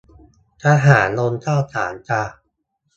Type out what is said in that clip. ทหารลงข้าวสารจร้า